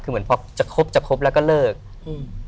คือเหมือนพอจะคบจะครบแล้วก็เลิกอืม